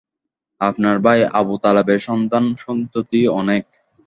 আপনার ভাই আবু তালেবের সন্তান সন্ততি অনেক।